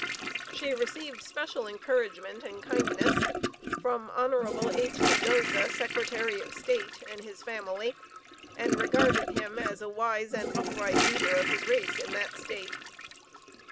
She received special encouragement and kindness from Hon. H. Cadoza, Secretary of State, and his family, and regarded him as a wise and upright leader of his race in that state.